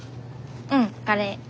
うんカレー。